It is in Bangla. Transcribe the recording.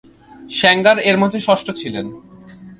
স্যাঙ্গার এর মাঝে ষষ্ঠ ছিলেন।